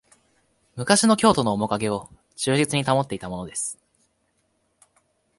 昔の京都のおもかげを忠実に保っていたものです